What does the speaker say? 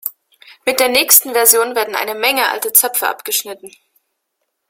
Mit der nächsten Version werden eine Menge alte Zöpfe abgeschnitten.